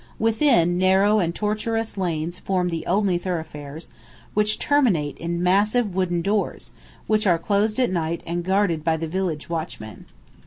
Within, narrow and tortuous lanes form the only thoroughfares, which terminate in massive wooden doors, which are closed at night and guarded by the village watchman.